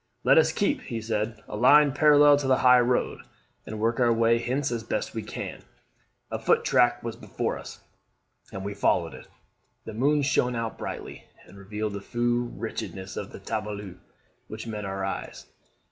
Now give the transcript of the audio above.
'Let us keep,' he said, 'a line parallel to the high road, and work our way hence as we best can.' A foot track was before us, and we followed it. "The moon shone out brightly, and revealed the full wretchedness of the TABLEAU which met our eyes.